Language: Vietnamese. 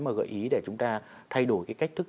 mà gợi ý để chúng ta thay đổi cái cách thức